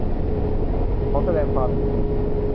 ขอแสดงความยินดี